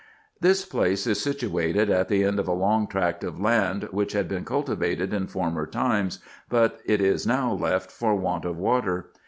This place is situated at the end of a long tract of land, which had been cultivated in former times, but it is now left for want of water.